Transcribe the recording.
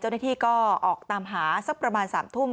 เจ้าหน้าที่ก็ออกตามหาสักประมาณ๓ทุ่ม